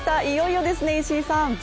いよいよですね、石井さん。